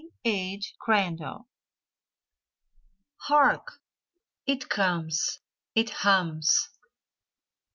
H. Crandall Hark! It comes! It hums!